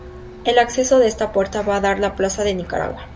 El acceso de esta puerta va a dar a la "Plaza de Nicaragua".